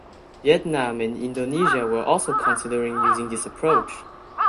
Vietnam and Indonesia were also considering using this approach.